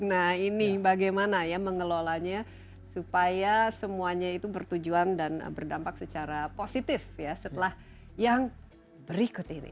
nah ini bagaimana ya mengelolanya supaya semuanya itu bertujuan dan berdampak secara positif ya setelah yang berikut ini